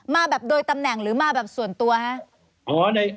มาแบบโดยตำแหน่งหรือมาแบบส่วนตัวคะ